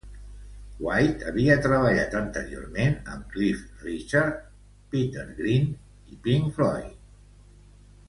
White havia treballat anteriorment amb Cliff Richard, Peter Green i Pink Floyd.